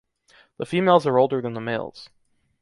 The females are older than the males.